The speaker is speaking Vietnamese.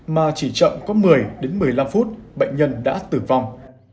mà chỉ chậm có một mươi đến một mươi năm phút bệnh nhân đã tử vong